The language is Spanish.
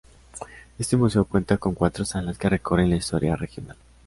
Este museo cuenta con cuatro salas que recorren la historia regional.